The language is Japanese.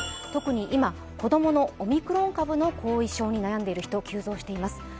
特に今、子供のオミクロン株の後遺症に悩んでいる人が急増しています